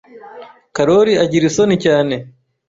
Karoli agira isoni cyane.